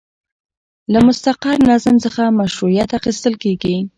له مستقر نظم څخه مشروعیت اخیستل کیږي.